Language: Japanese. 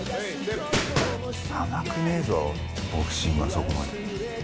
甘くねえぞボクシングはそこまで。